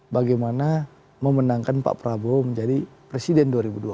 bagaimana memenangkan pak prabowo menjadi presiden dua ribu dua puluh